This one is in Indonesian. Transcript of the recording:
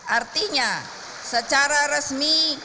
artinya secara resmi